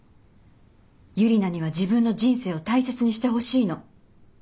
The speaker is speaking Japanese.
ユリナには自分の人生を大切にしてほしいの。